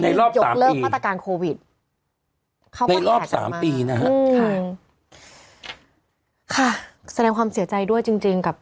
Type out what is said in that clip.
รอบยกเลิกมาตรการโควิดเข้ามาในรอบสามปีนะฮะค่ะแสดงความเสียใจด้วยจริงจริงกับ